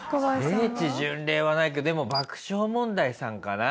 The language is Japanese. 聖地巡礼はないけどでも爆笑問題さんかな